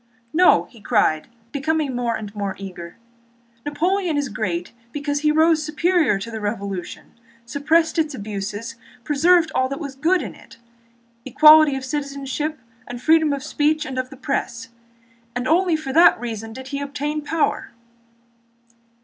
"No," cried he, becoming more and more eager, "Napoleon is great because he rose superior to the Revolution, suppressed its abuses, preserved all that was good in it—equality of citizenship and freedom of speech and of the press—and only for that reason did he obtain power."